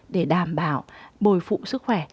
để đảm bảo bồi phụ sức khỏe